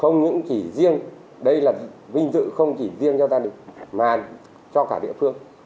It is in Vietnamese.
nguyễn chỉ riêng đây là vinh dự không chỉ riêng cho gia đình mà cho cả địa phương